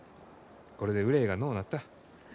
これで憂いがのうなった。